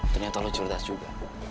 ternyata lo cerdas juga